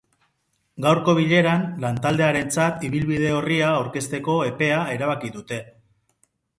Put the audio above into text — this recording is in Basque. Gaurko bileran lantaldearentzat ibilbide orria aurkezteko epea erabaki dute.